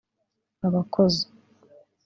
Abakozi